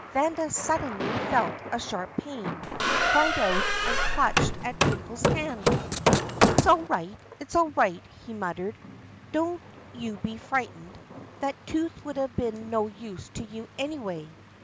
Vanda suddenly felt a sharp pain, cried out, and clutched at Finkel's hand. "It's all right, it's all right," he muttered; "don't you be frightened! That tooth would have been no use to you, anyway